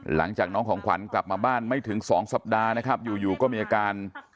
หลังจากน้องของขวัญกลับมาบ้านไม่ถึง๒สัปดาห์นะครับอยู่ก็มีอาการ